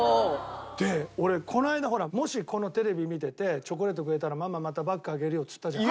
で俺この間ほらもしこのテレビ見ててチョコレートくれたらママまたバッグあげるよっつったじゃん。